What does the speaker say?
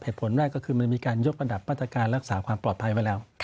ผลแรกก็คือมันมีการยกระดับมาตรการรักษาความปลอดภัยไว้แล้ว